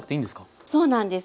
そうなんです。